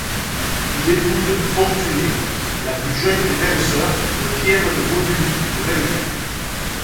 Il épouse Fortunée, la plus jeune des belles-sœurs de Pierre de Bauduy de Bellevue.